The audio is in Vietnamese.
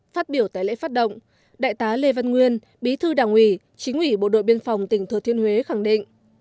phát biểu tại lễ phát động đại tá lê văn nguyên bí thư đảng ủy chính ủy bộ đội biên phòng tỉnh thừa thiên huế khẳng định